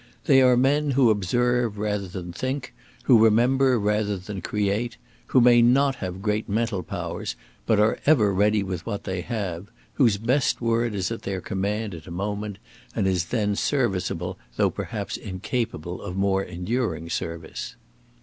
They are men who observe rather than think, who remember rather than create, who may not have great mental powers, but are ever ready with what they have, whose best word is at their command at a moment, and is then serviceable though perhaps incapable of more enduring service.